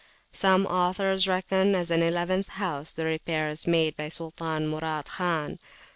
Some authors reckon, as an eleventh house, the repairs made by Sultan Murad Khan.